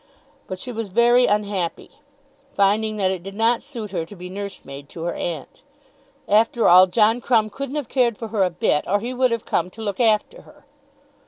But she was very unhappy, finding that it did not suit her to be nursemaid to her aunt. After all John Crumb couldn't have cared for her a bit, or he would have come to look after her.